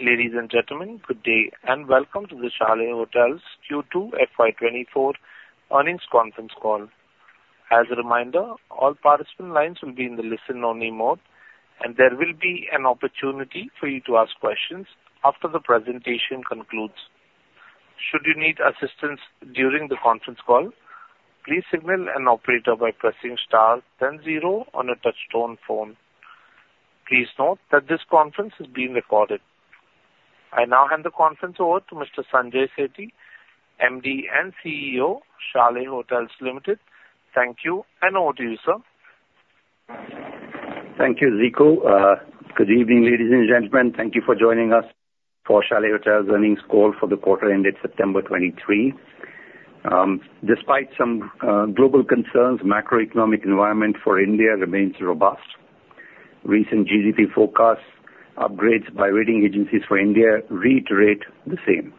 Ladies and gentlemen, good day, and welcome to the Chalet Hotels Q2 FY 2024 earnings conference call. As a reminder, all participant lines will be in the listen-only mode, and there will be an opportunity for you to ask questions after the presentation concludes. Should you need assistance during the conference call, please signal an operator by pressing star then zero on a touchtone phone. Please note that this conference is being recorded. I now hand the conference over to Mr. Sanjay Sethi, MD and CEO, Chalet Hotels Limited. Thank you, and over to you, sir. Thank you, Zico. Good evening, ladies and gentlemen. Thank you for joining us for Chalet Hotels' earnings call for the quarter ended September 2023. Despite some global concerns, macroeconomic environment for India remains robust. Recent GDP forecast upgrades by rating agencies for India reiterate the same.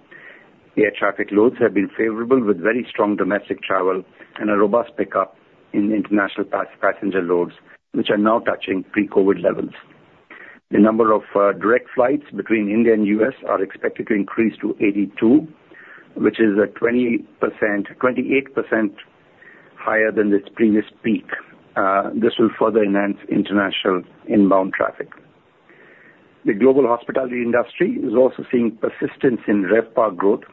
Air traffic loads have been favorable, with very strong domestic travel and a robust pickup in international passenger loads, which are now touching pre-COVID levels. The number of direct flights between India and US are expected to increase to 82, which is a 20%... 28% higher than its previous peak. This will further enhance international inbound traffic. The global hospitality industry is also seeing persistence in RevPAR growth.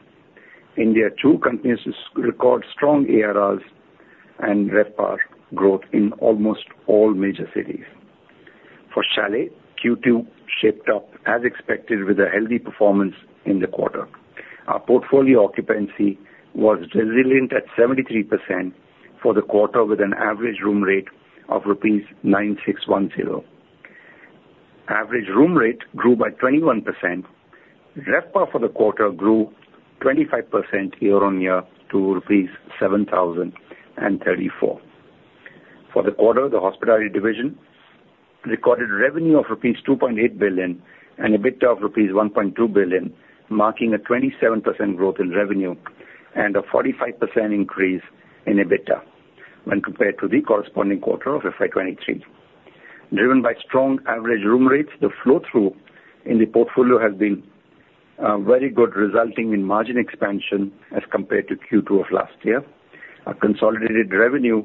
India, too, continues to record strong ARRs and RevPAR growth in almost all major cities. For Chalet, Q2 shaped up as expected with a healthy performance in the quarter. Our portfolio occupancy was resilient at 73% for the quarter, with an average room rate of rupees 9,610. Average room rate grew by 21%. RevPAR for the quarter grew 25% year-on-year to rupees 7,034. For the quarter, the hospitality division recorded revenue of rupees 2.8 billion and EBITDA of rupees 1.2 billion, marking a 27% growth in revenue and a 45% increase in EBITDA when compared to the corresponding quarter of FY 2023. Driven by strong average room rates, the flow-through in the portfolio has been very good, resulting in margin expansion as compared to Q2 of last year. Our consolidated revenue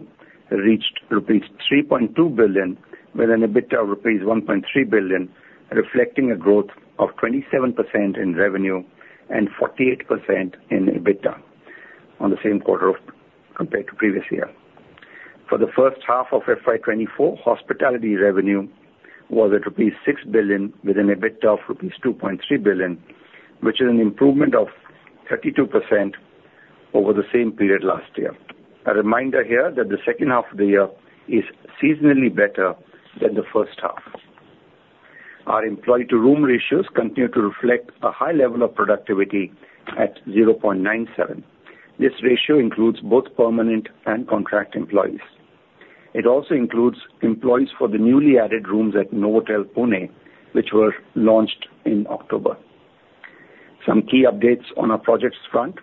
reached rupees 3.2 billion, with an EBITDA of rupees 1.3 billion, reflecting a growth of 27% in revenue and 48% in EBITDA on the same quarter compared to previous year. For the first half of FY 2024, hospitality revenue was at rupees 6 billion, with an EBITDA of rupees 2.3 billion, which is an improvement of 32% over the same period last year. A reminder here that the second half of the year is seasonally better than the first half. Our employee-to-room ratios continue to reflect a high level of productivity at 0.97. This ratio includes both permanent and contract employees. It also includes employees for the newly added rooms at Novotel Pune, which were launched in October. Some key updates on our projects front.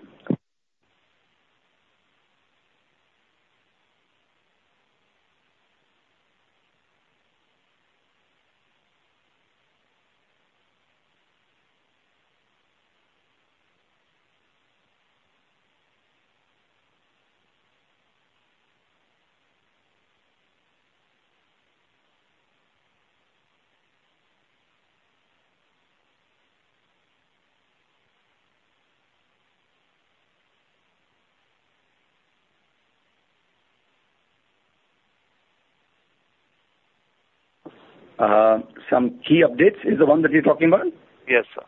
Some key updates, is the one that you're talking about? Yes, sir.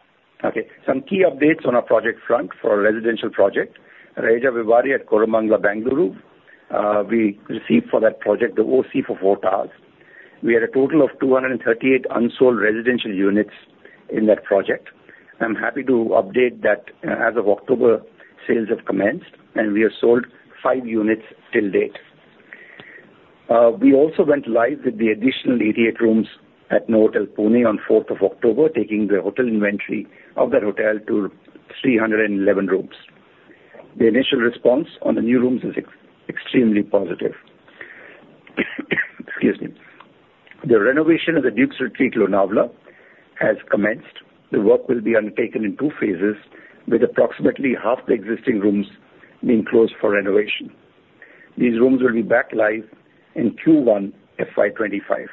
Okay. Some key updates on our project front. For our residential project, Raheja Vivarea at Koramangala, Bengaluru, we received for that project the OC for four towers. We had a total of 238 unsold residential units in that project. I'm happy to update that, as of October, sales have commenced, and we have sold five units till date. We also went live with the additional 88 rooms at Novotel Pune on fourth of October, taking the hotel inventory of that hotel to 311 rooms. The initial response on the new rooms is extremely positive. Excuse me. The renovation of the Dukes Retreat, Lonavala, has commenced. The work will be undertaken in two phases, with approximately half the existing rooms being closed for renovation. These rooms will be back live in Q1 FY25.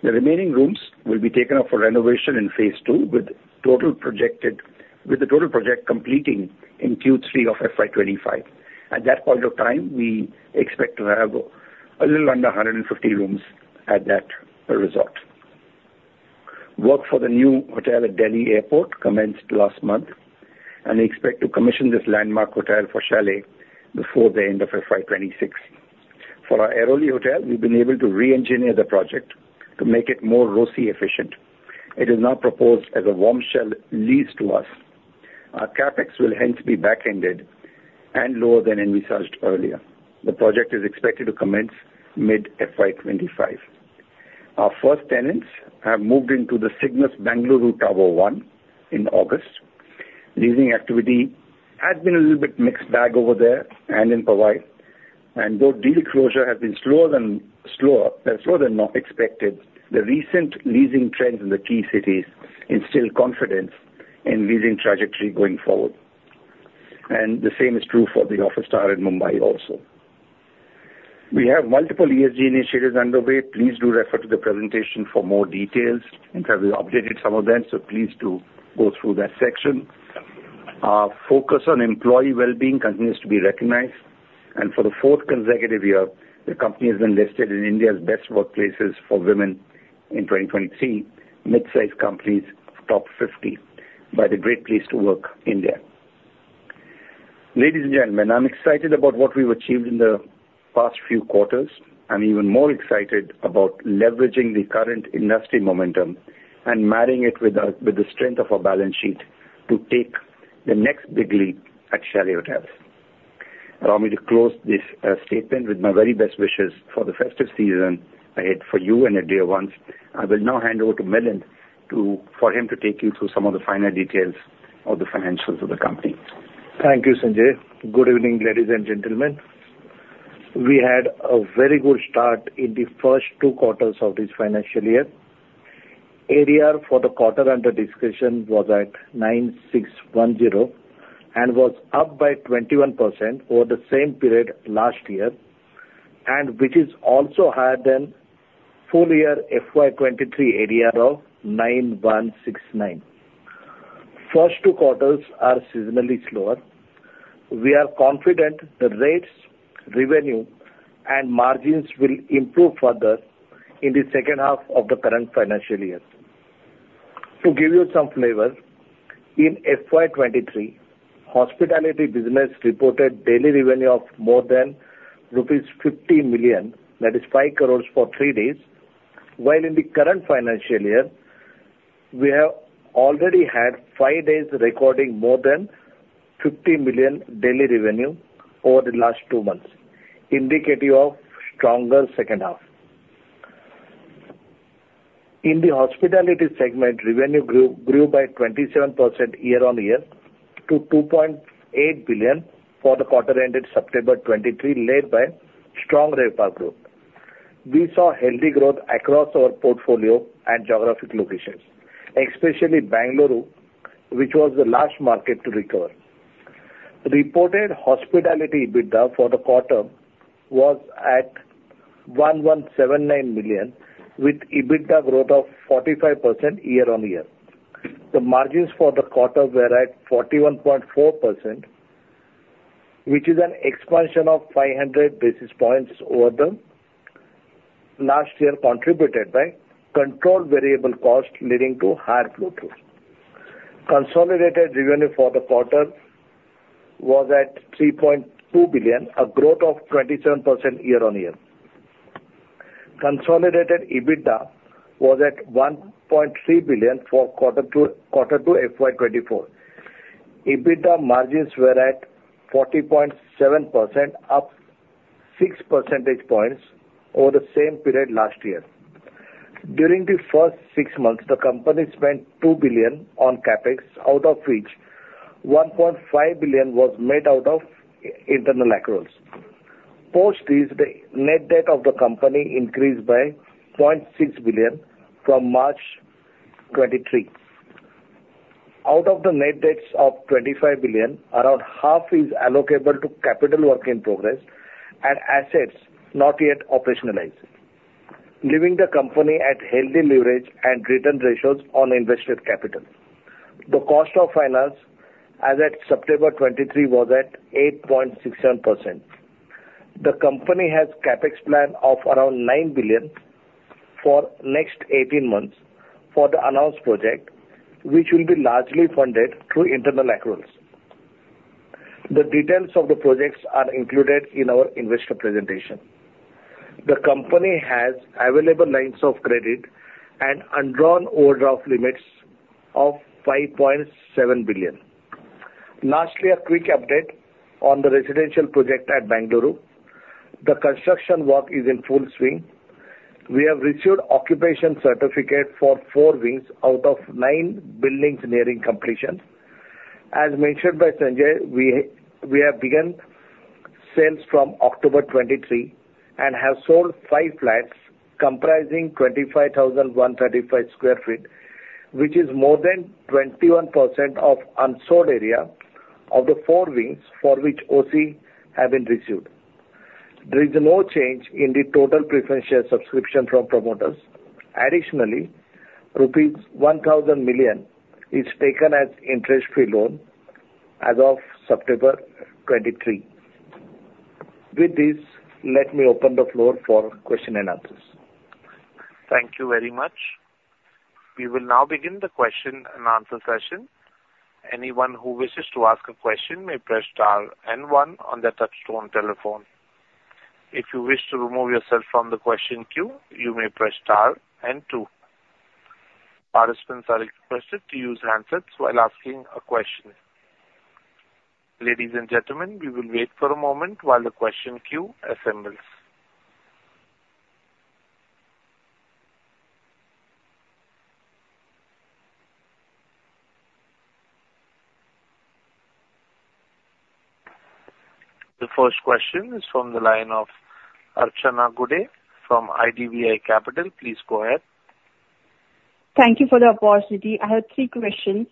The remaining rooms will be taken up for renovation in phase two, with the total project completing in Q3 of FY 25. At that point of time, we expect to have a little under 150 rooms at that resort. Work for the new hotel at Delhi Airport commenced last month, and we expect to commission this landmark hotel for Chalet before the end of FY 26. For our Airoli hotel, we've been able to reengineer the project to make it more ROCE efficient. It is now proposed as a warm shell leased to us. Our CapEx will hence be back-ended and lower than envisaged earlier. The project is expected to commence mid-FY 25. Our first tenants have moved into the Cignus Bengaluru Tower 1 in August. Leasing activity has been a little bit mixed bag over there and in Powai. Though deal closure has been slower than expected, the recent leasing trends in the key cities instill confidence in leasing trajectory going forward. The same is true for the Office Tower in Mumbai also. We have multiple ESG initiatives underway. Please do refer to the presentation for more details, and we have updated some of them, so please do go through that section. Our focus on employee well-being continues to be recognized, and for the fourth consecutive year, the company has been listed in India's best workplaces for women in 2023, mid-sized companies of top 50 by the Great Place to Work India. Ladies and gentlemen, I'm excited about what we've achieved in the past few quarters. I'm even more excited about leveraging the current industry momentum and marrying it with the, with the strength of our balance sheet to take the next big leap at Chalet Hotels. Allow me to close this statement with my very best wishes for the festive season ahead for you and your dear ones. I will now hand over to Milind for him to take you through some of the finer details of the financials of the company. Thank you, Sanjay. Good evening, ladies and gentlemen. We had a very good start in the first 2 quarters of this financial year. ADR for the quarter under discussion was at 9,610, and was up by 21% over the same period last year, and which is also higher than full year FY 2023 ADR of 9,169. First 2 quarters are seasonally slower. We are confident the rates, revenue, and margins will improve further in the second half of the current financial year. To give you some flavor, in FY 2023, hospitality business reported daily revenue of more than rupees 50 million, that is 5 crores for 3 days, while in the current financial year, we have already had 5 days recording more than 50 million daily revenue over the last 2 months, indicative of stronger second half. In the hospitality segment, revenue grew by 27% year-on-year to 2.8 billion for the quarter ended September 2023, led by strong RevPAR growth. We saw healthy growth across our portfolio and geographic locations, especially Bengaluru, which was the last market to recover. Reported hospitality EBITDA for the quarter was at 1,179 million, with EBITDA growth of 45% year-on-year. The margins for the quarter were at 41.4%, which is an expansion of 500 basis points over the last year, contributed by controlled variable cost, leading to higher throughput. Consolidated revenue for the quarter was at 3.2 billion, a growth of 27% year-on-year. Consolidated EBITDA was at 1.3 billion for quarter two FY 2024. EBITDA margins were at 40.7%, up six percentage points over the same period last year. During the first 6 months, the company spent 2 billion on CapEx, out of which 1.5 billion was made out of internal accruals. Post this, the net debt of the company increased by 0.6 billion from March 2023. Out of the net debts of 25 billion, around half is allocable to capital work in progress and assets not yet operationalized, leaving the company at healthy leverage and return ratios on invested capital. The cost of finance as at September 2023 was at 8.67%. The company has CapEx plan of around 9 billion for next 18 months for the announced project, which will be largely funded through internal accruals. The details of the projects are included in our investor presentation. The company has available lines of credit and undrawn overdraft limits of 5.7 billion. Lastly, a quick update on the residential project at Bengaluru. The construction work is in full swing. We have received occupation certificate for four wings out of nine buildings nearing completion. As mentioned by Sanjay, we have begun sales from October 2023 and have sold 5 flats comprising 25,135 sq ft, which is more than 21% of unsold area of the four wings for which OC have been received. There is no change in the total preferential subscription from promoters. Additionally, rupees 1,000 million is taken as interest-free loan as of September 2023. With this, let me open the floor for questions and answers. Thank you very much. We will now begin the question-and-answer session. Anyone who wishes to ask a question may press star and one on their touchtone telephone. If you wish to remove yourself from the question queue, you may press star and two. Participants are requested to use handsets while asking a question. Ladies and gentlemen, we will wait for a moment while the question queue assembles. The first question is from the line of Archana Gude from IDBI Capital. Please go ahead. Thank you for the opportunity. I have three questions.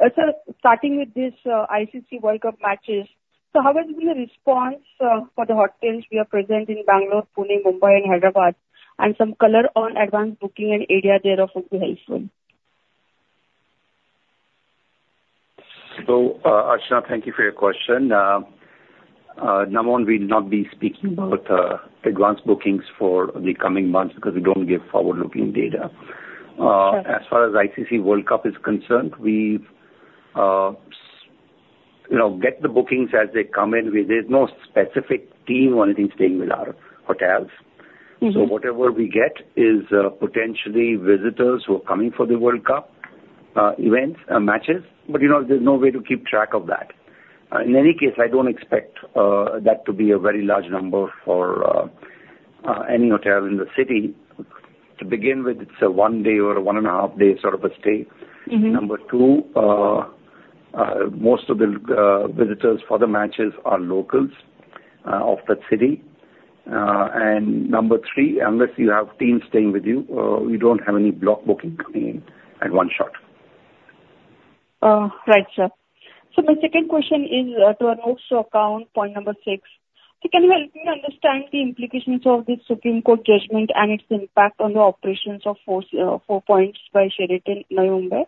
Sir, starting with this, ICC World Cup matches, so how has been the response, for the hotels we are present in Bangalore, Pune, Mumbai and Hyderabad, and some color on advanced booking and ADR there would be helpful. So, Archana, thank you for your question. Number one, we'd not be speaking about advanced bookings for the coming months because we don't give forward-looking data. Sure. As far as ICC World Cup is concerned, we've you know get the bookings as they come in. There's no specific team or anything staying in our hotels. Mm-hmm. So whatever we get is, potentially visitors who are coming for the World Cup, events, matches, but, you know, there's no way to keep track of that. In any case, I don't expect that to be a very large number for any hotel in the city. To begin with, it's a one day or a one and a half day sort of a stay. Mm-hmm. Number two, most of the visitors for the matches are locals of that city. And number three, unless you have teams staying with you, we don't have any block booking coming in at one shot. Right, sir. So my second question is, to our notes account, point number six. So can you help me understand the implications of the Supreme Court judgment and its impact on the operations of Four Points by Sheraton, Mumbai?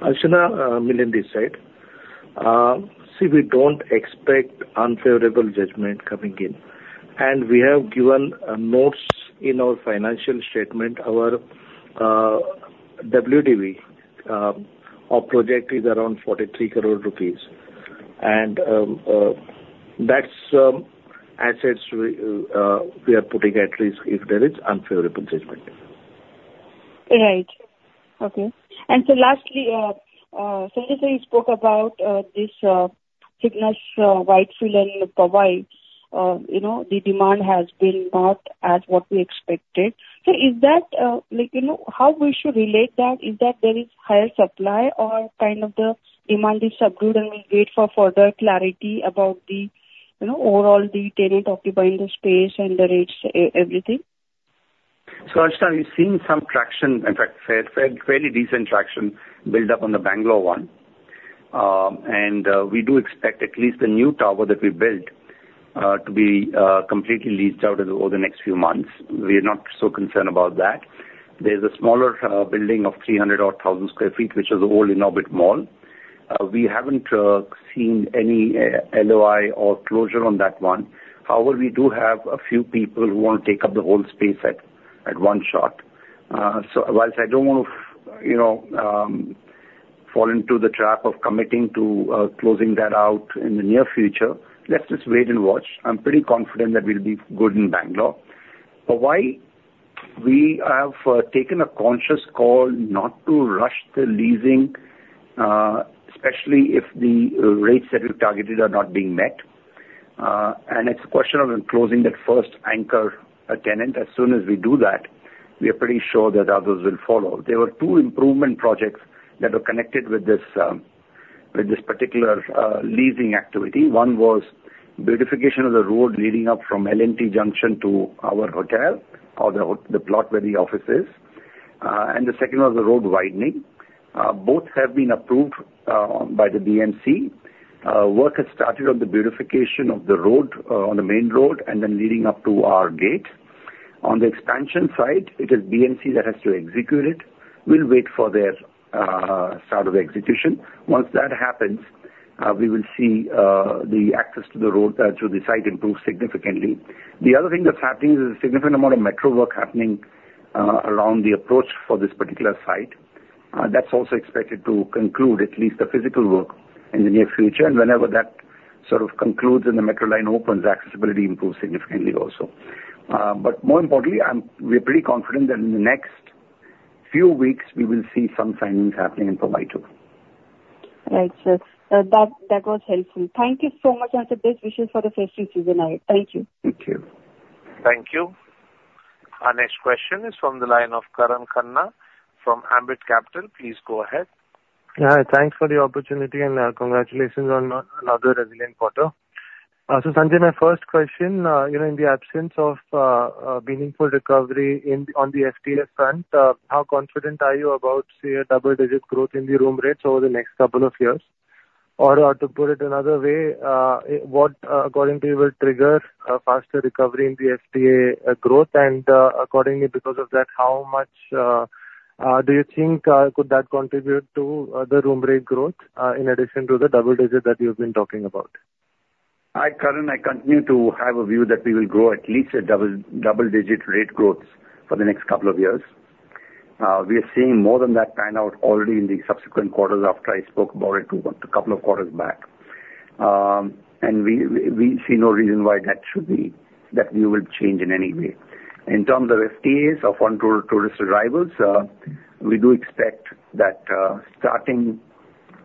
Archana, Milind this side. See, we don't expect unfavorable judgment coming in, and we have given notes in our financial statement. Our WDV, our project is around 43 crore rupees. That's assets we are putting at risk if there is unfavorable judgment. Right. Okay. So lastly, Sanjay, you spoke about this Cignus Whitefield and Powai. You know, the demand has been not as what we expected. So is that, like, you know, how we should relate that? Is that there is higher supply or kind of the demand is subdued, and we wait for further clarity about the, you know, overall the tenant occupying the space and the rates, everything? So Archana, we've seen some traction, in fact, fairly decent traction build up on the Bengaluru one. And we do expect at least the new tower that we built to be completely leased out over the next few months. We are not so concerned about that. There's a smaller building of 300,000-odd sq ft, which is old Inorbit Mall. We haven't seen any LOI or closure on that one. However, we do have a few people who want to take up the whole space at one shot. So while I don't want to you know fall into the trap of committing to closing that out in the near future, let's just wait and watch. I'm pretty confident that we'll be good in Bengaluru. But why we have taken a conscious call not to rush the leasing, especially if the rates that we've targeted are not being met. And it's a question of closing that first anchor tenant. As soon as we do that, we are pretty sure that others will follow. There were two improvement projects that were connected with this particular leasing activity. One was beautification of the road leading up from L&T Junction to our hotel, or the plot where the office is. And the second was the road widening. Both have been approved by the BMC. Work has started on the beautification of the road, on the main road and then leading up to our gate. On the expansion side, it is BMC that has to execute it. We'll wait for their start of execution. Once that happens, we will see the access to the road to the site improve significantly. The other thing that's happening is a significant amount of metro work happening around the approach for this particular site. That's also expected to conclude at least the physical work in the near future. And whenever that sort of concludes and the metro line opens, the accessibility improves significantly also. But more importantly, we're pretty confident that in the next few weeks we will see some signings happening in Powai, too. Right, sir. That was helpful. Thank you so much, and the best wishes for the festive season ahead. Thank you. Thank you. Thank you. Our next question is from the line of Karan Khanna from Ambit Capital. Please go ahead. Thanks for the opportunity and, congratulations on another resilient quarter. So Sanjay, my first question, you know, in the absence of a meaningful recovery in, on the FTA front, how confident are you about, say, a double-digit growth in the room rates over the next couple of years? Or to put it another way, what, according to you, will trigger a faster recovery in the FTA growth? And, accordingly, because of that, how much do you think could that contribute to the room rate growth in addition to the double digit that you've been talking about? Hi, Karan, I continue to have a view that we will grow at least a double-digit rate growth for the next couple of years. We are seeing more than that pan out already in the subsequent quarters after I spoke about it a couple of quarters back. We see no reason why that view will change in any way. In terms of FTAs, inbound tourist arrivals, we do expect that starting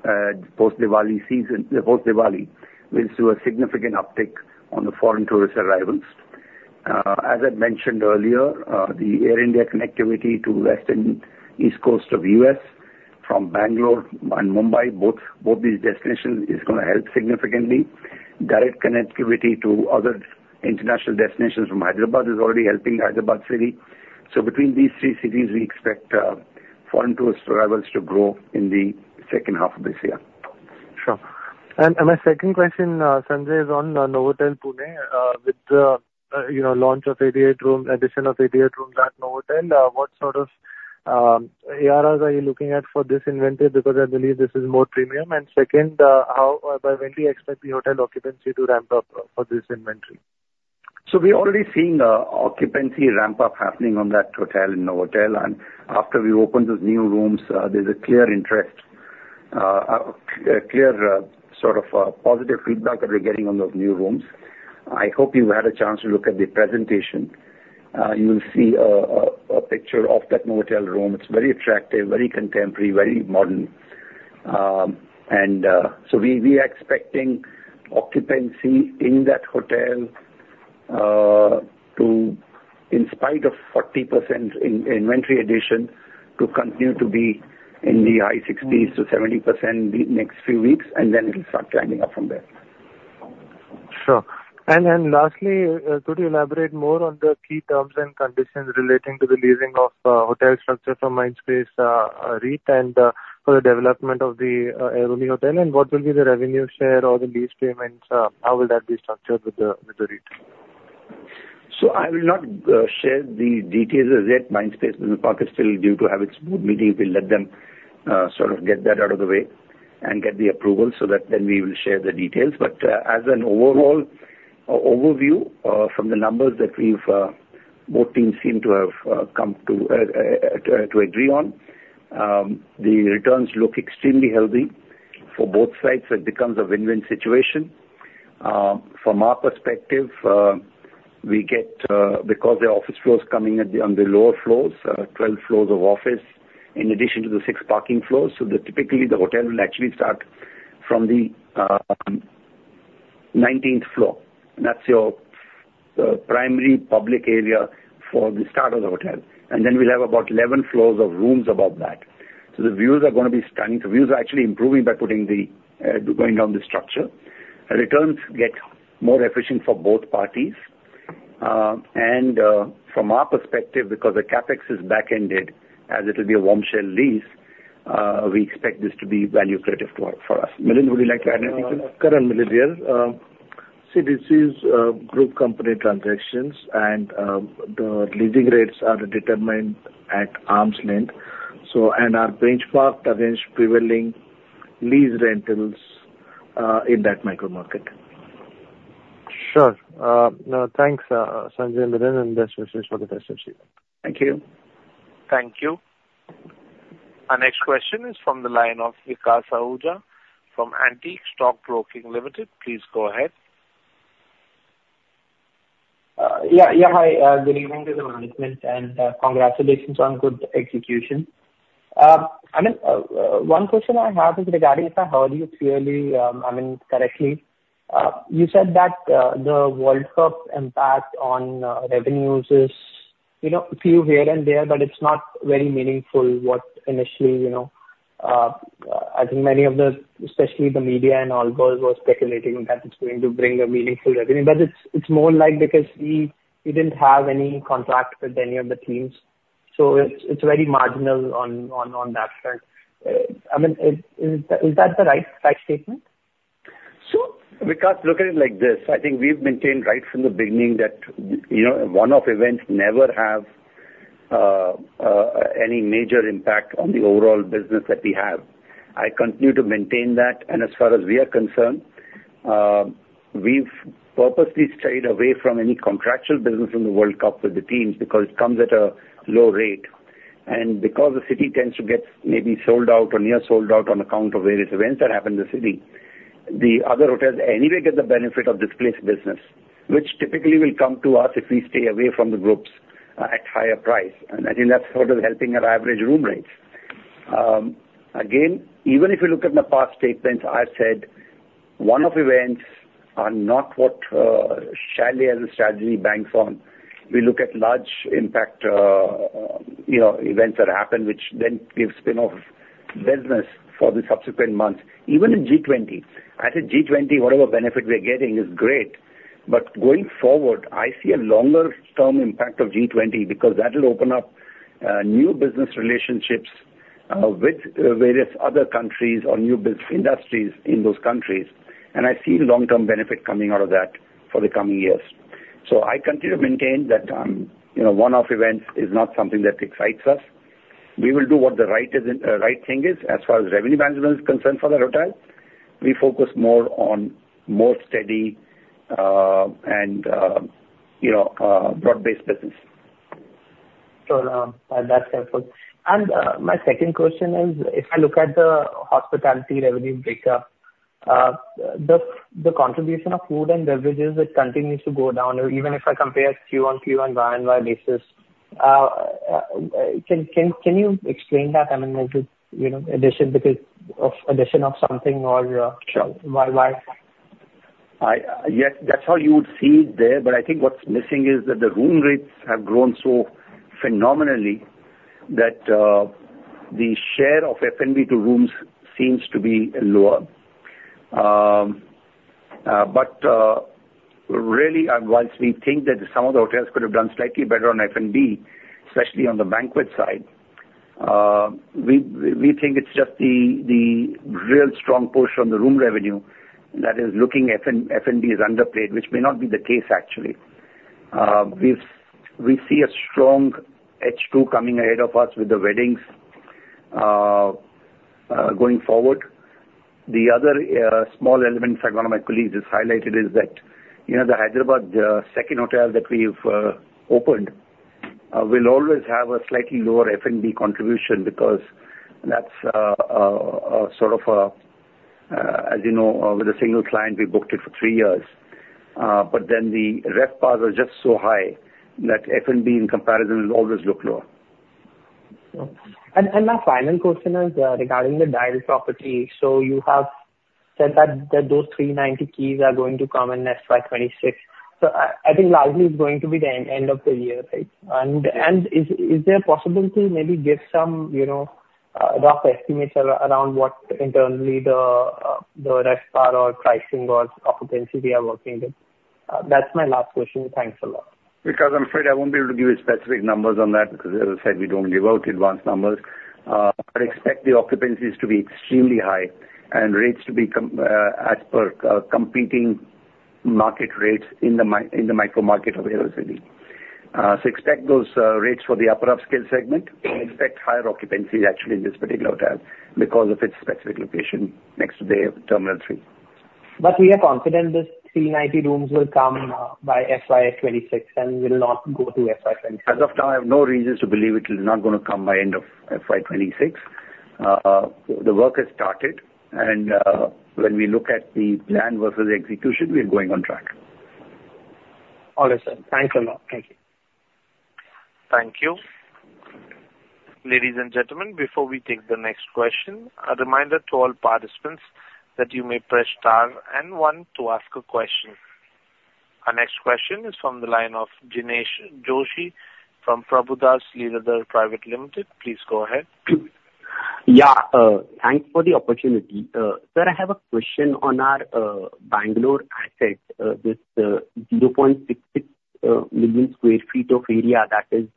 post-Diwali season, post-Diwali, we'll see a significant uptick on the foreign tourist arrivals. As I mentioned earlier, the Air India connectivity to West and East Coast of U.S. from Bangalore and Mumbai, both these destinations is gonna help significantly. Direct connectivity to other international destinations from Hyderabad is already helping Hyderabad city. Between these three cities, we expect foreign tourist arrivals to grow in the second half of this year. Sure. And my second question, Sanjay, is on Novotel, Pune, with the, you know, launch of 88 room-- addition of 88 rooms at Novotel, what sort of ARRs are you looking at for this inventory? Because I believe this is more premium. And second, how, by when do you expect the hotel occupancy to ramp up for this inventory? So we're already seeing occupancy ramp up happening on that hotel, in Novotel, and after we open those new rooms, there's a clear interest, a clear sort of positive feedback that we're getting on those new rooms. I hope you had a chance to look at the presentation. You will see a picture of that Novotel room. It's very attractive, very contemporary, very modern. And so we are expecting occupancy in that hotel to, in spite of 40% inventory addition, to continue to be in the high 60s to 70% the next few weeks, and then it'll start climbing up from there. Sure. And lastly, could you elaborate more on the key terms and conditions relating to the leasing of hotel structure from Mindspace REIT, and for the development of the Aerocity hotel, and what will be the revenue share or the lease payments, how will that be structured with the REIT? So I will not share the details as yet. Mindspace is in the process, still due to have its board meeting. We'll let them, sort of, get that out of the way and get the approval so that then we will share the details. But, as an overall overview, from the numbers that both teams seem to have come to agree on, the returns look extremely healthy for both sides. It becomes a win-win situation. From our perspective, we get, because the office floors coming on the lower floors, 12 floors of office, in addition to the 6 parking floors, so typically the hotel will actually start from the 19th floor. That's your primary public area for the start of the hotel. And then we'll have about 11 floors of rooms above that. So the views are gonna be stunning. The views are actually improving by putting the going down the structure. The returns get more efficient for both parties. And, from our perspective, because the CapEx is back-ended, as it'll be a warm shell lease, we expect this to be value creative to—for us. Milind, would you like to add anything? Current, Milind, yeah. See, this is group company transactions, and the leasing rates are determined at arm's length, so and are benchmarked against prevailing lease rentals in that micro market. Sure. Thanks, Sanjay and Milind, and best wishes for the best of season. Thank you. Thank you. Our next question is from the line of Vikas Ahuja from Antique Stock Broking Limited. Please go ahead. Yeah, yeah, hi. Good evening to the management, and congratulations on good execution. I mean, one question I have is regarding, if I heard you clearly, I mean, correctly, you said that the World Cup impact on revenues is, you know, a few here and there, but it's not very meaningful what initially, you know, I think many of the, especially the media and all, were speculating that it's going to bring a meaningful revenue. But it's more like because we didn't have any contract with any of the teams, so it's very marginal on that front. I mean, is that the right statement? So, Vikas, look at it like this: I think we've maintained right from the beginning that, you know, one-off events never have any major impact on the overall business that we have. I continue to maintain that, and as far as we are concerned, we've purposely stayed away from any contractual business in the World Cup with the teams because it comes at a low rate. And because the city tends to get maybe sold out or near sold out on account of various events that happen in the city, the other hotels anyway get the benefit of displaced business, which typically will come to us if we stay away from the groups at higher price. And I think that's sort of helping our average room rates. Again, even if you look at my past statements, I've said one-off events are not what Chalet's strategy banks on. We look at large impact, you know, events that happen, which then gives spin-off business for the subsequent months. Even in G20, I said G20, whatever benefit we're getting is great, but going forward, I see a longer-term impact of G20 because that will open up new business relationships with various other countries or new business industries in those countries, and I see long-term benefit coming out of that for the coming years. So I continue to maintain that, you know, one-off events is not something that excites us. We will do what the right is in, right thing is. As far as revenue management is concerned for the hotel, we focus more on more steady, you know, broad-based business. Sure, that's helpful. And, my second question is: if I look at the hospitality revenue breakup, the contribution of food and beverages, it continues to go down, even if I compare Q-on-Q on year-on-year basis. Can you explain that? I mean, is it, you know, addition because of addition of something or, Sure. Why, why? Yes, that's how you would see it there, but I think what's missing is that the room rates have grown so phenomenally that the share of F&B to rooms seems to be lower. But really, and whilst we think that some of the hotels could have done slightly better on F&B, especially on the banquet side, we think it's just the real strong push on the room revenue that is looking F&B is underplayed, which may not be the case actually. We see a strong H2 coming ahead of us with the weddings. Going forward, the other small elements that one of my colleagues has highlighted is that, you know, the Hyderabad second hotel that we've opened will always have a slightly lower F&B contribution because that's a sort of a, as you know, with a single client, we booked it for three years. But then the RevPAR was just so high that F&B in comparison will always look lower. Sure. And my final question is regarding the Delhi property. So you have said that those 390 keys are going to come in next by 2026. So I think largely it's going to be the end of the year, right? And is there a possibility maybe give some, you know, rough estimates around what internally the RevPAR or pricing or occupancy we are working with? That's my last question. Thanks a lot. Because I'm afraid I won't be able to give you specific numbers on that, because as I said, we don't give out advanced numbers. But expect the occupancies to be extremely high and rates to be as per competing market rates in the micro market available city. So expect those rates for the upper upscale segment, and expect higher occupancies actually in this particular hotel because of its specific location next to the Terminal three. But we are confident this 390 rooms will come by FY 2026 and will not go to FY 20- As of now, I have no reasons to believe it is not gonna come by end of FY 2026. The work has started, and, when we look at the plan versus execution, we are going on track. All right, sir. Thanks a lot. Thank you. Thank you. Ladies and gentlemen, before we take the next question, a reminder to all participants that you may press star and one to ask a question. Our next question is from the line of Jinesh Joshi from Prabhudas Lilladher Private Limited. Please go ahead. Yeah, thanks for the opportunity. Sir, I have a question on our Bangalore asset. This 0.66 million sq ft of area that is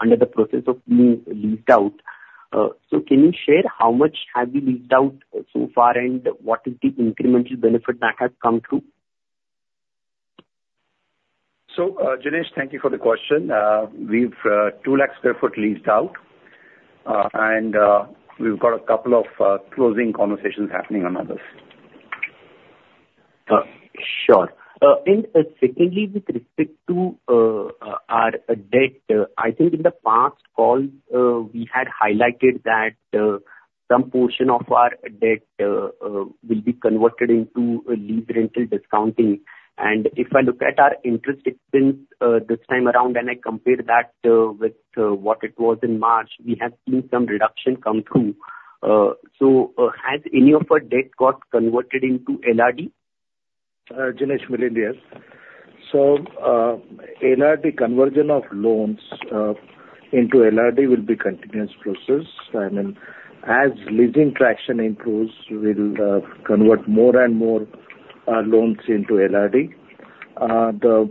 under the process of being leased out. So can you share how much have you leased out so far, and what is the incremental benefit that has come through? So, Jinesh, thank you for the question. We've leased out 200,000 sq ft, and we've got a couple of closing conversations happening on others. Sure. And secondly, with respect to our debt, I think in the past calls, we had highlighted that some portion of our debt will be converted into a lease rental discounting. And if I look at our interest expense this time around, and I compare that with what it was in March, we have seen some reduction come through. So, has any of our debt got converted into LRD? Jinesh, million, yes. So, LRD conversion of loans into LRD will be continuous process. I mean, as leasing traction improves, we'll convert more and more loans into LRD. The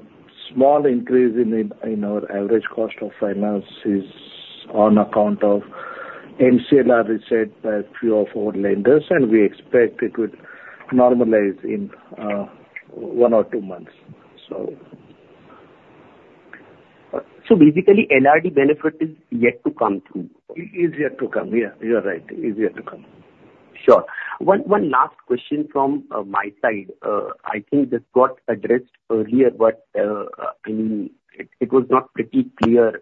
small increase in the, in our average cost of finance is on account of MCLR, is set by three or four lenders, and we expect it would normalize in one or two months, so. So basically, LRD benefit is yet to come through? Is yet to come. Yeah, you're right. Is yet to come. Sure. One last question from my side. I think this got addressed earlier, but I mean, it was not pretty clear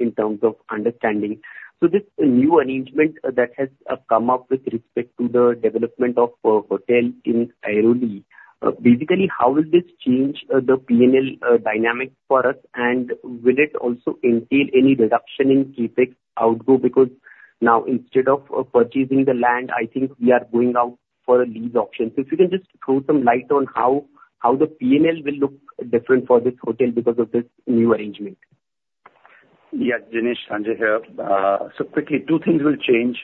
in terms of understanding. So this new arrangement that has come up with respect to the development of hotel in Airoli, basically, how will this change the P&L dynamic for us? And will it also entail any reduction in CapEx outflow? Because now instead of purchasing the land, I think we are going out for a lease option. So if you can just throw some light on how the P&L will look different for this hotel because of this new arrangement. Yeah, Jinesh, Sanjay here. So quickly, 2 things will change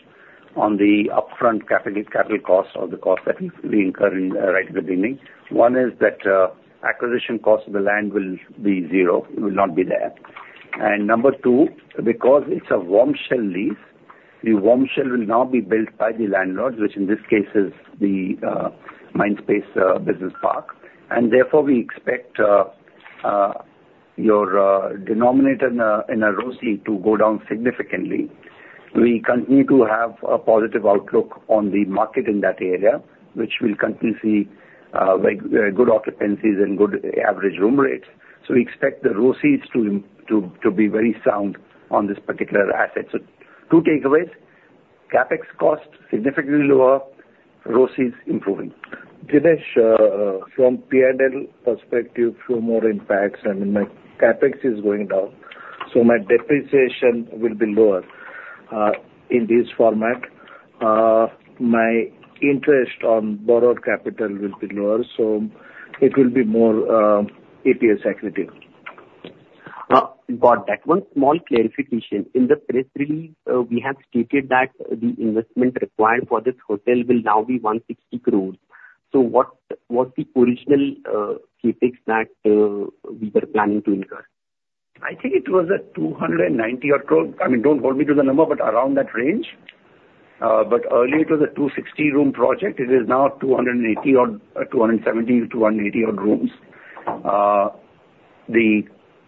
on the upfront capital, capital cost or the cost that we incur in right at the beginning. One is that acquisition cost of the land will be 0, it will not be there. And number 2, because it's a warm shell lease, the warm shell will now be built by the landlord, which in this case is the Mindspace Business Park, and therefore we expect your denominator in a ROCE to go down significantly. We continue to have a positive outlook on the market in that area, which will continue to see like good occupancies and good average room rates. So we expect the ROCEs to be very sound on this particular asset. So 2 takeaways:... CapEx costs significantly lower, ROC is improving. Dinesh, from P&L perspective, few more impacts, I mean, my CapEx is going down, so my depreciation will be lower. In this format, my interest on borrowed capital will be lower, so it will be more, EPS accretive. Got that. One small clarification. In the press release, we have stated that the investment required for this hotel will now be 160 crore. So what, what's the original CapEx that we were planning to incur? I think it was at 290 crore. I mean, don't hold me to the number, but around that range. But earlier it was a 260-room project. It is now 280 or 270, 280-odd rooms. The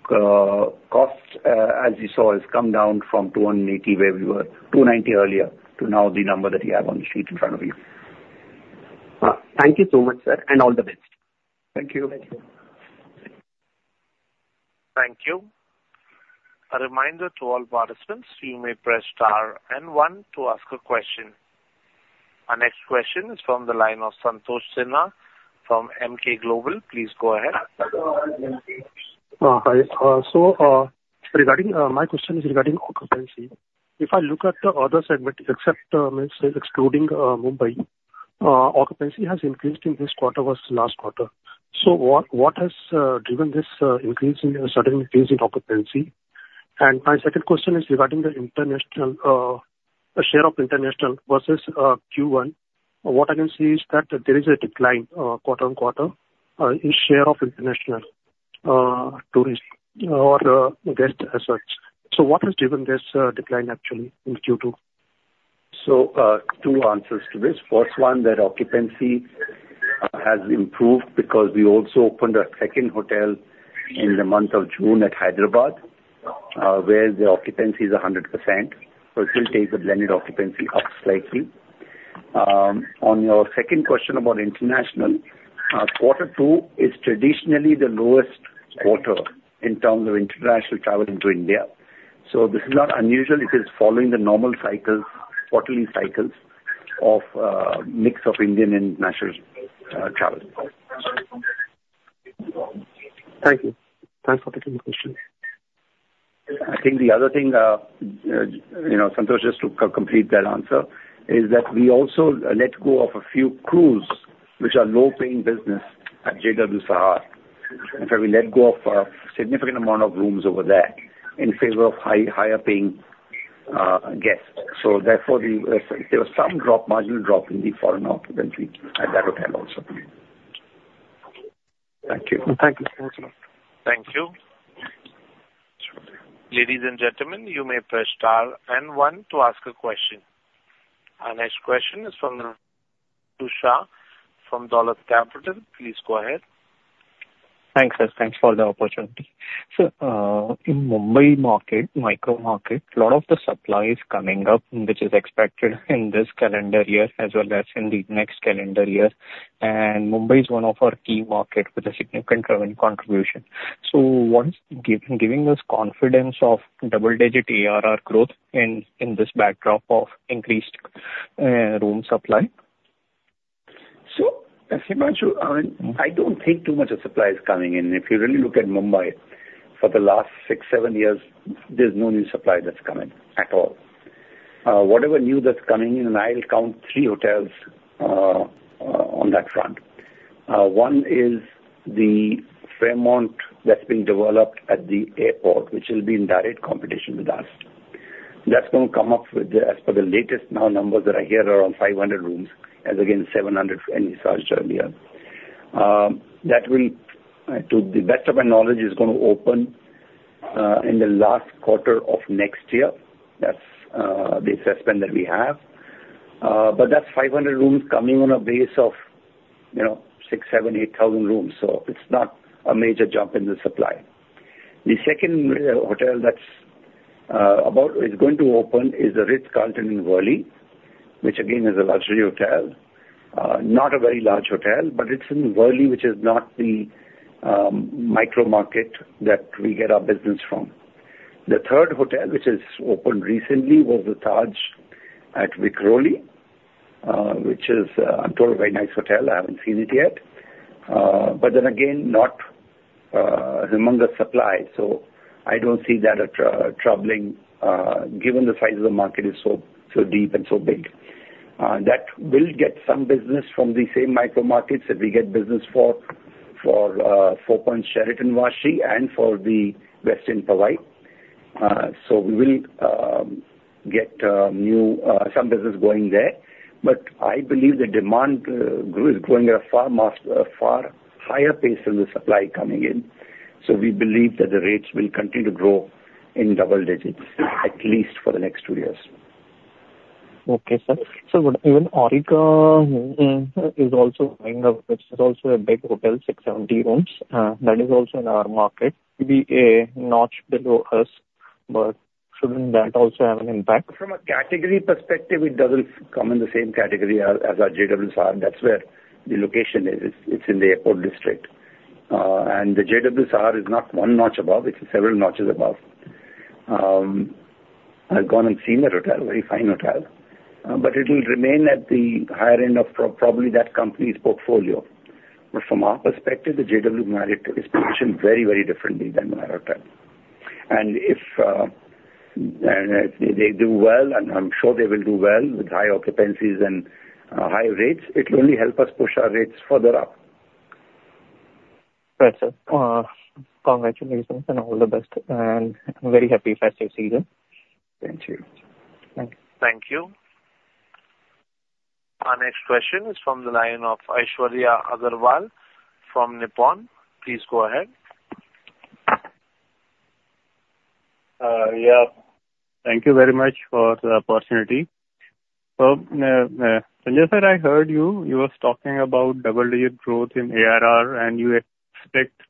costs, as you saw, has come down from 280, where we were 290 earlier, to now the number that you have on the sheet in front of you. Thank you so much, sir, and all the best. Thank you. Thank you. A reminder to all participants, you may press star and one to ask a question. Our next question is from the line of Santosh Sinha from Emkay Global. Please go ahead. Hi. So, regarding, my question is regarding occupancy. If I look at the other segment except, excluding, Mumbai, occupancy has increased in this quarter versus last quarter. So what, what has driven this, increase in, sudden increase in occupancy? And my second question is regarding the international, share of international versus, Q1. What I can see is that there is a decline, quarter-over-quarter, in share of international, tourists or, guests as such. So what has driven this, decline actually in Q2? So, two answers to this. First one, that occupancy has improved because we also opened a second hotel in the month of June at Hyderabad, where the occupancy is 100%. So it will take the blended occupancy up slightly. On your second question about international, quarter two is traditionally the lowest quarter in terms of international travel into India. So this is not unusual. It is following the normal cycles, quarterly cycles of, mix of Indian and international, travel. Thank you. Thanks for taking the question. I think the other thing, you know, Santhosh, just to complete that answer, is that we also let go of a few crews which are low-paying business at JW Sahar. In fact, we let go of a significant amount of rooms over there in favor of high, higher paying guests. So therefore, there was some drop, marginal drop in the foreign occupancy at that hotel also. Thank you. Thank you. Thank you. Ladies and gentlemen, you may press star and one to ask a question. Our next question is from Himanshu Shah from Dolat Capital. Please go ahead. Thanks, sir. Thanks for the opportunity. So, in Mumbai market, micro market, a lot of the supply is coming up, which is expected in this calendar year as well as in the next calendar year. And Mumbai is one of our key market with a significant revenue contribution. So what's giving us confidence of double-digit ARR growth in this backdrop of increased room supply? So, Himanshu, I don't think too much of supply is coming in. If you really look at Mumbai, for the last six-seven years, there's no new supply that's coming in at all. Whatever new that's coming in, and I'll count three hotels on that front. One is the Fairmont that's being developed at the airport, which will be in direct competition with us. That's going to come up with the, as per the latest now, numbers that I hear, are around 500 rooms, as against 700 for any such earlier. That will, to the best of my knowledge, is gonna open in the last quarter of next year. That's the assessment that we have. But that's 500 rooms coming on a base of, you know, 6,000-8,000 rooms. So it's not a major jump in the supply. The second hotel that's going to open is the Ritz-Carlton in Worli, which again, is a luxury hotel. Not a very large hotel, but it's in Worli, which is not the micro market that we get our business from. The third hotel, which has opened recently, was the Taj at Vikhroli, which is, I'm told, a very nice hotel. I haven't seen it yet. But then again, not humongous supply, so I don't see that as troubling, given the size of the market is so deep and so big. That will get some business from the same micro markets that we get business for Four Points by Sheraton Vashi and for the Westin Powai. So we will get some new business going there. But I believe the demand is growing at a far higher pace than the supply coming in. So we believe that the rates will continue to grow in double digits, at least for the next two years. Okay, sir. So even Aurika is also coming up, which is also a big hotel, 670 rooms. That is also in our market, be a notch below us, but shouldn't that also have an impact? From a category perspective, it doesn't come in the same category as our JW Sahar. That's where the location is. It's in the airport district. And the JW is not one notch above, it is several notches above. I've gone and seen the hotel, very fine hotel, but it will remain at the higher end of probably that company's portfolio. But from our perspective, the JW Marriott is positioned very, very differently than Marriott. And if they do well, and I'm sure they will do well with high occupancies and high rates, it will only help us push our rates further up. Right, sir. Congratulations and all the best, and very happy festive season. Thank you. Thank you. Thank you. Our next question is from the line of Aishwarya Agarwal from Nippon. Please go ahead. Yeah, thank you very much for the opportunity. So, Sanjay, sir, I heard you was talking about double-digit growth in ARR, and you expect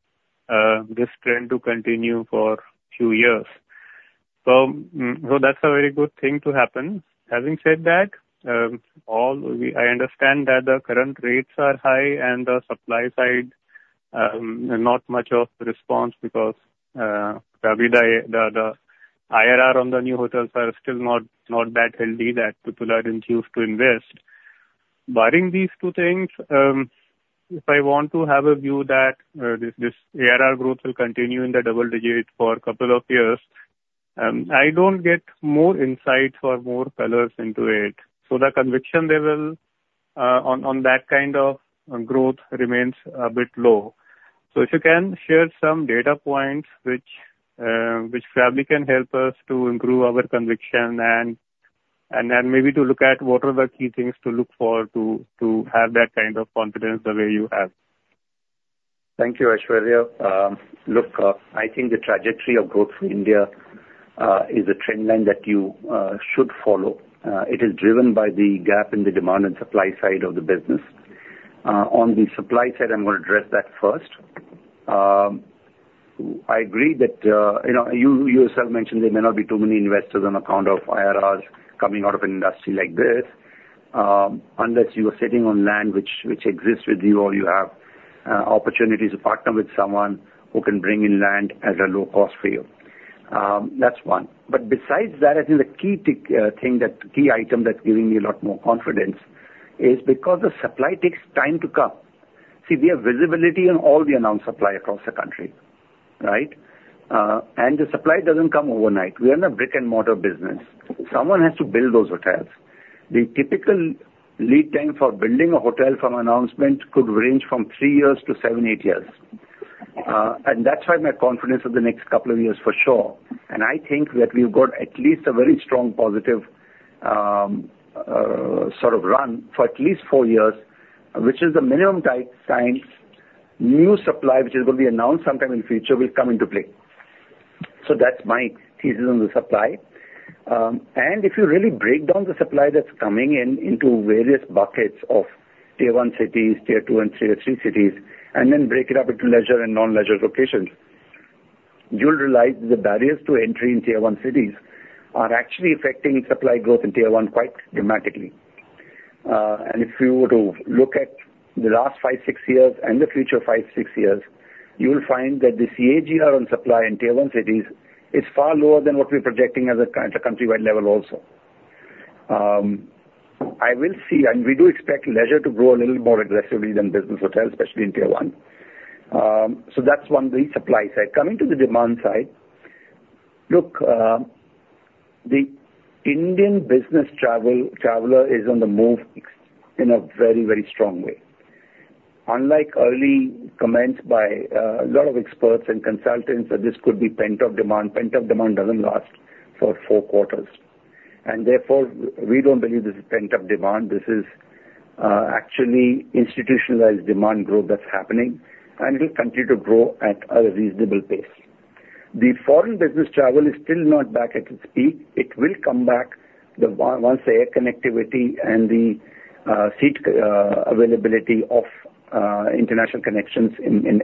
this trend to continue for two years. So, so that's a very good thing to happen. Having said that, I understand that the current rates are high and the supply side not much of response because probably the the IRR on the new hotels are still not that healthy, that people aren't used to invest. Barring these two things, if I want to have a view that this ARR growth will continue in the double digit for a couple of years, I don't get more insight or more colors into it. So the conviction level on that kind of growth remains a bit low. So if you can share some data points which probably can help us to improve our conviction and then maybe to look at what are the key things to look for to have that kind of confidence the way you have? Thank you, Aishwarya. Look, I think the trajectory of growth for India is a trend line that you should follow. It is driven by the gap in the demand and supply side of the business. On the supply side, I'm gonna address that first. I agree that, you know, you yourself mentioned there may not be too many investors on account of IRRs coming out of an industry like this, unless you are sitting on land which exists with you, or you have opportunities to partner with someone who can bring in land at a low cost for you. That's one. But besides that, I think the key thing, key item that's giving me a lot more confidence is because the supply takes time to come. See, we have visibility on all the announced supply across the country, right? And the supply doesn't come overnight. We're in a brick-and-mortar business. Someone has to build those hotels. The typical lead time for building a hotel from announcement could range from three years to seven-eight years. And that's why my confidence for the next couple of years, for sure, and I think that we've got at least a very strong positive sort of run for at least four years, which is the minimum time new supply, which is going to be announced sometime in the future, will come into play. So that's my thesis on the supply. And if you really break down the supply that's coming in into various buckets of tier one cities, tier two and tier three cities, and then break it up into leisure and non-leisure locations, you'll realize the barriers to entry in tier one cities are actually affecting supply growth in tier one quite dramatically. And if you were to look at the last five-six years and the future five-six years, you will find that the CAGR on supply in tier one cities is far lower than what we're projecting at the kind, at a countrywide level also. I will see, and we do expect leisure to grow a little more aggressively than business hotels, especially in tier one. So that's one, the supply side. Coming to the demand side, look, the Indian business traveler is on the move in a very, very strong way. Unlike early comments by a lot of experts and consultants, that this could be pent-up demand, pent-up demand doesn't last for four quarters, and therefore, we don't believe this is pent-up demand. This is actually institutionalized demand growth that's happening, and it will continue to grow at a reasonable pace. The foreign business travel is still not back at its peak. It will come back once the air connectivity and the seat availability of international connections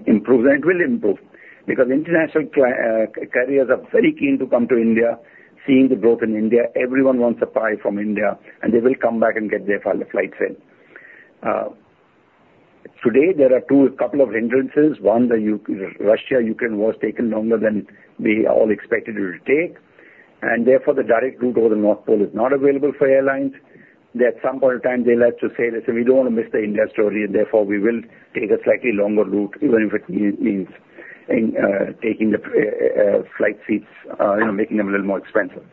improves, and it will improve, because international carriers are very keen to come to India, seeing the growth in India. Everyone wants a pie from India, and they will come back and get their flights in. Today, there are two couple of hindrances. One, the Russia, Ukraine war, has taken longer than we all expected it will take, and therefore, the direct route over the North Pole is not available for airlines. At some point in time, they'll have to say, "Listen, we don't want to miss the India story, and therefore, we will take a slightly longer route, even if it means taking the flight seats, you know, making them a little more expensive."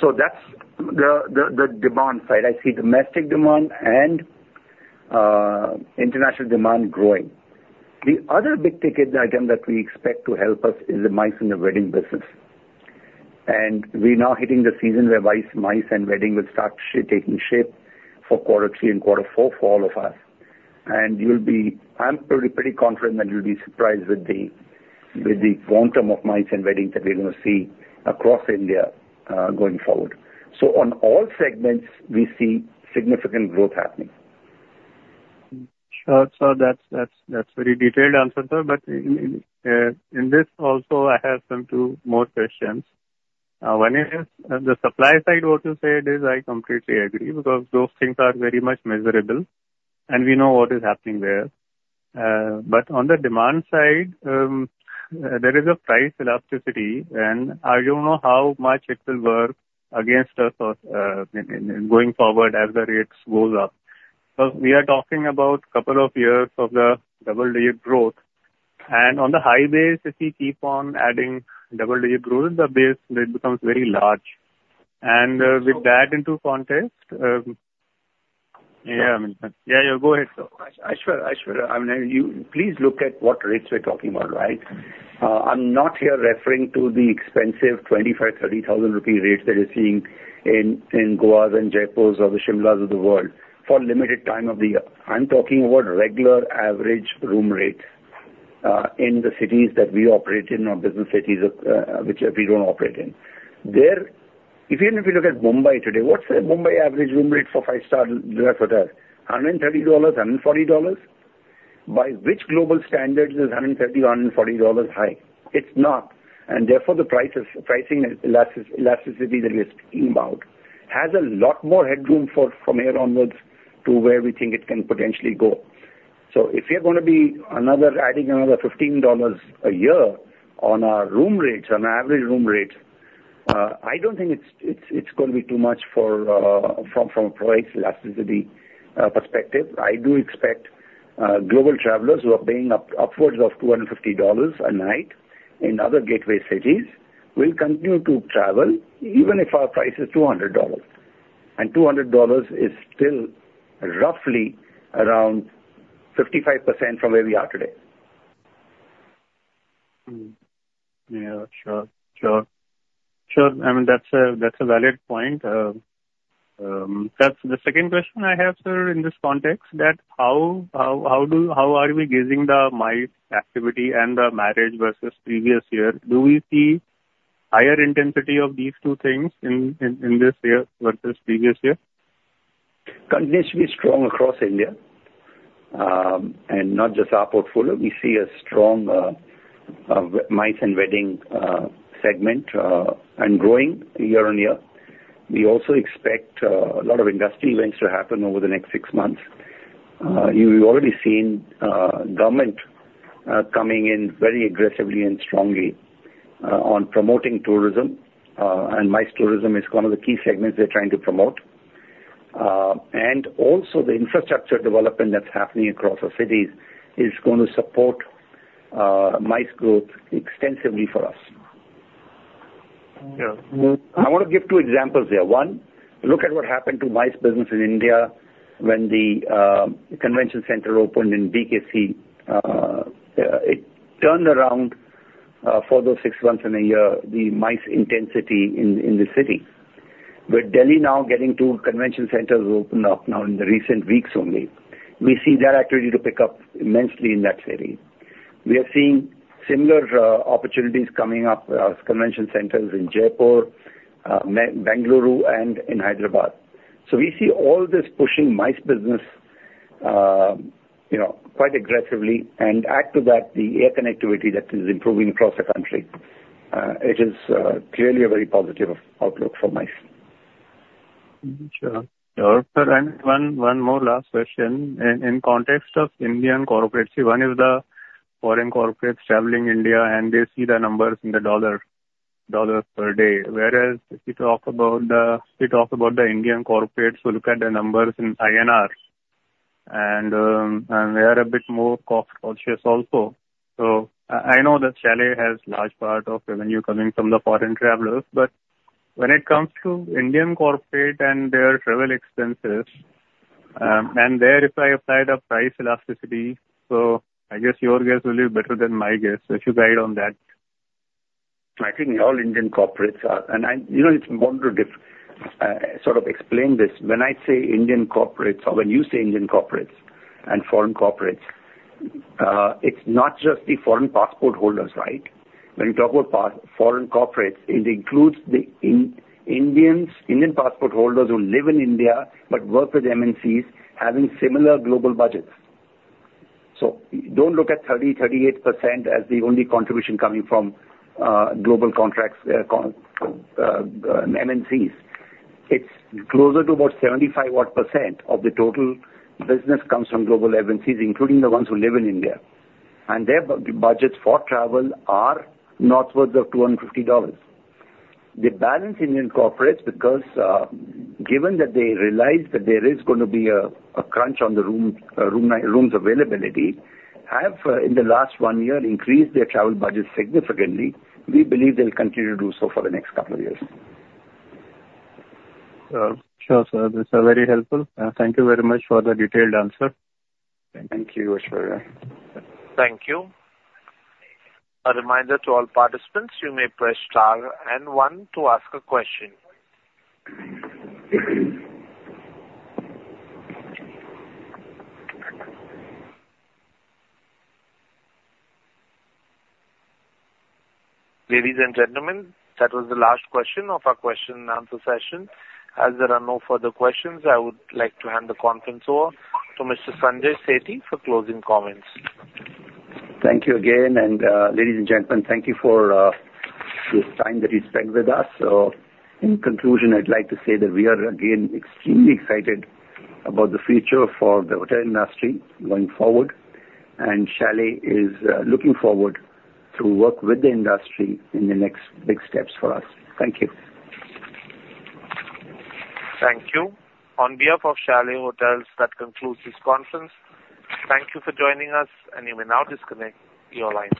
So that's the demand side. I see domestic demand and international demand growing. The other big-ticket item that we expect to help us is the MICE and the wedding business. And we're now hitting the season where MICE and wedding will start taking shape for quarter three and quarter four for all of us. And you'll be... I'm pretty, pretty confident that you'll be surprised with the, with the quantum of MICE and weddings that we're gonna see across India, going forward. So on all segments, we see significant growth happening. Sure, sir. That's very detailed answer, sir. But in this also, I have some two more questions. One is, the supply side, what you said is I completely agree, because those things are very much measurable, and we know what is happening there. But on the demand side, there is a price elasticity, and I don't know how much it will work against us or in going forward as the rates goes up. But we are talking about couple of years of the double-digit growth. And on the highways, if we keep on adding double-digit growth, the base, it becomes very large. And with that into context, Yeah. Yeah, yeah, go ahead, sir. Aishwarya, Aishwarya, I mean, you please look at what rates we're talking about, right? I'm not here referring to the expensive 25,000, 30,000 rupee rates that you're seeing in, in Goas and Jaipurs or the Shimlas of the world for a limited time of the year. I'm talking about regular average room rate in the cities that we operate in, or business cities, which we don't operate in. There, even if you look at Mumbai today, what's the Mumbai average room rate for five-star Le Méridien hotel? $130, $140? By which global standards is $130, $140 high? It's not, and therefore, the pricing elasticity that you're speaking about has a lot more headroom for, from here onwards to where we think it can potentially go. If you're gonna be adding another $15 a year on our room rates, on our average room rates, I don't think it's gonna be too much for from a price elasticity perspective. I do expect global travelers who are paying upwards of $250 a night in other gateway cities will continue to travel, even if our price is $200. And $200 is still roughly around 55% from where we are today. Yeah, sure. Sure. Sure, I mean, that's a, that's a valid point. The second question I have, sir, in this context, that how are we gauging the MICE activity and the marriage versus previous year? Do we see higher intensity of these two things in this year versus previous year? Continues to be strong across India, and not just our portfolio. We see a strong MICE and wedding segment, and growing year-on-year. We also expect a lot of industry events to happen over the next six months. You've already seen government coming in very aggressively and strongly on promoting tourism, and MICE tourism is one of the key segments they're trying to promote. And also the infrastructure development that's happening across the cities is going to support MICE growth extensively for us. Yeah. I want to give two examples here. One, look at what happened to MICE business in India when the convention center opened in BKC. It turned around for those six months in a year, the MICE intensity in the city. With Delhi now getting two convention centers opened up now in the recent weeks only, we see that activity to pick up immensely in that city. We are seeing similar opportunities coming up as convention centers in Jaipur, Bengaluru, and in Hyderabad. So we see all this pushing MICE business, you know, quite aggressively. And add to that, the air connectivity that is improving across the country. It is clearly a very positive outlook for MICE. Sure. Sure, and one more last question. In context of Indian corporates, one is the foreign corporates traveling India, and they see the numbers in the dollar, dollars per day. Whereas if you talk about the Indian corporates who look at the numbers in INR, and they are a bit more cost-conscious also. So I know that Chalet has large part of revenue coming from the foreign travelers, but when it comes to Indian corporate and their travel expenses, and there if I applied a price elasticity, so I guess your guess will be better than my guess. So if you guide on that. I think all Indian corporates are. I, you know, it's important to sort of explain this. When I say Indian corporates or when you say Indian corporates and foreign corporates, it's not just the foreign passport holders, right? When you talk about foreign corporates, it includes the Indians, Indian passport holders who live in India but work with MNCs, having similar global budgets. So don't look at 38% as the only contribution coming from global contracts, MNCs. It's closer to about 75 odd percent of the total business comes from global agencies, including the ones who live in India, and their budgets for travel are northwards of $250. The balance Indian corporates, because, given that they realized that there is gonna be a crunch on the rooms availability, have in the last one year increased their travel budget significantly. We believe they'll continue to do so for the next couple of years. Sure, sir. These are very helpful, and thank you very much for the detailed answer. Thank you, Aishwarya. Thank you. A reminder to all participants, you may press star and one to ask a question. Ladies and gentlemen, that was the last question of our question and answer session. As there are no further questions, I would like to hand the conference over to Mr. Sanjay Sethi for closing comments. Thank you again, and, ladies and gentlemen, thank you for the time that you spent with us. So in conclusion, I'd like to say that we are again extremely excited about the future for the hotel industry going forward, and Chalet is looking forward to work with the industry in the next big steps for us. Thank you. Thank you. On behalf of Chalet Hotels, that concludes this conference. Thank you for joining us, and you may now disconnect your line.